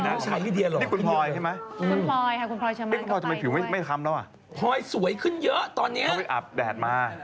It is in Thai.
นี่นามชายลิเดียเหรอ